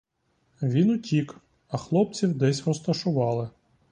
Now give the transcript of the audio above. Він утік, а хлопців десь розташували.